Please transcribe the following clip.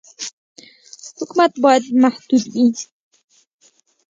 حکومت باید محدود وي.